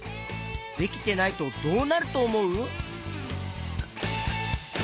できてないとどうなるとおもう？